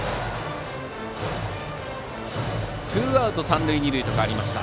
ツーアウト三塁二塁と変わりました。